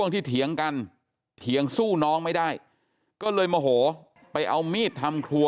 ที่เถียงกันเถียงสู้น้องไม่ได้ก็เลยโมโหไปเอามีดทำครัว